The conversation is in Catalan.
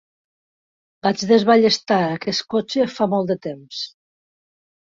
Vaig desballestar aquest cotxe fa molt de temps.